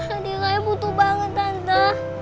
adik saya butuh banget tante